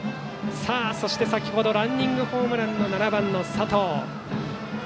そして、先程ランニングホームランの７番の佐藤。